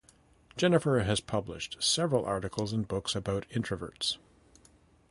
Jennifer has published several articles and books about introverts.